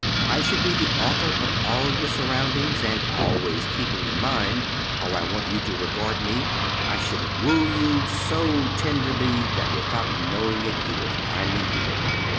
I should be the author of all your surroundings; and always keeping in mind how I want you to regard me, I should woo you so tenderly that without knowing it you would finally yield.